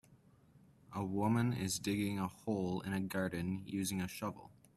A woman is digging a hole in a garden, using a shovel.